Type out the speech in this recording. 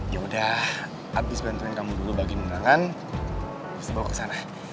yaudah abis bantuin kamu dulu bagi menurangan habis bawa ke sana